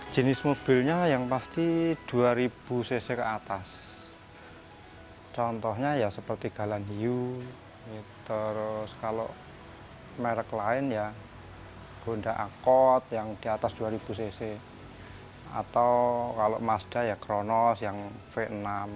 jangan lupa like share dan subscribe ya